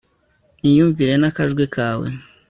niyumvire n'akajwi kawe